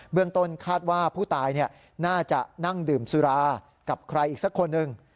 เรื่องต้นคาดว่าผู้ตายน่าจะนั่งดื่มสุรากับใครอีกสักคนหนึ่ง